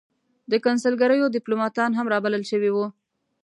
د کنسلګریو دیپلوماتان هم را بلل شوي وو.